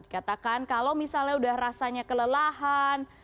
katakan kalau misalnya udah rasanya kelelahan